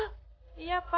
bu saya permisi ya pak